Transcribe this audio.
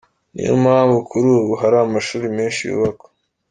Ni yo mpamvu kuri ubu hari amashuri menshi yubakwa.